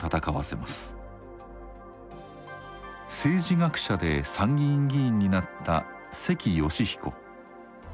政治学者で参議院議員になった関嘉彦。